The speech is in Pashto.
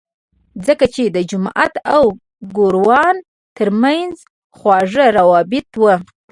ځکه چې د جومات او ګوروان ترمنځ خواږه روابط وو.